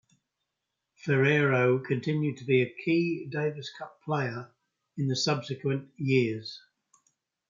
Ferrero continued to be a key Davis Cup player in subsequent years.